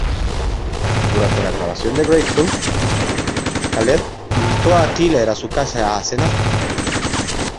Durante la grabación de Grateful, Khaled invitó a Tiller a su casa a cenar.